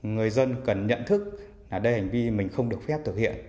người dân cần nhận thức là đây hành vi mình không được phép